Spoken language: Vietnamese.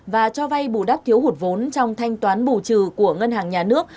và cho vay bù đắp thiếu hụt vốn trong thanh toán bù trừ của ngân hàng nhà nước